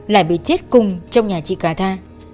lại bị chết cùng trong nhà chị cà tha